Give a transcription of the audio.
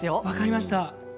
分かりました。